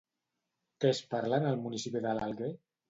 Què es parla en el municipi de l'Alguer?